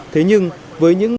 thế nhưng với những